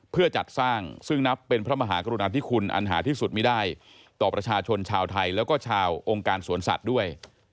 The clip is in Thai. เพื่อจัดสร้างซึ่งนับเป็นพระมหากรุณาธิคุณอันหาที่สุดไม่ได้ต่อประชาชนชาวไทยแล้วก็ชาวองค์การสวนสัตว์ด้วย